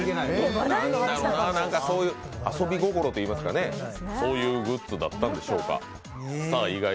遊び心といいますかね、そういうグッズだったんでしょうか。